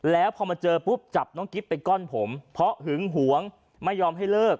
แล้วพอมาเจอปุ๊บจับน้องกิ๊บไปก้อนผมเพราะหึงหวงไม่ยอมให้เลิก